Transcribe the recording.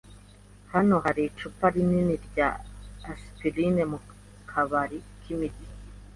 Hano hari icupa rinini rya aspirine mu kabari k'imiti.